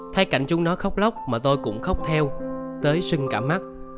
thay cảnh chúng nó khóc lóc mà tôi cũng khóc theo tới sưng cả mắt